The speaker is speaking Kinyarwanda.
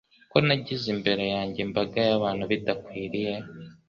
ko nagize imbere yanjye imbaga yabantu badakwiriye